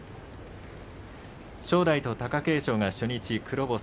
正代と貴景勝は初日黒星。